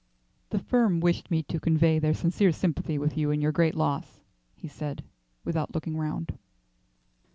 "The firm wished me to convey their sincere sympathy with you in your great loss," he said, without looking round.